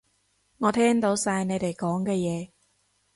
我聽到晒你哋講嘅嘢